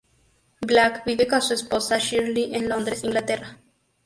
Black vive con su esposa Shirley en Londres, Inglaterra.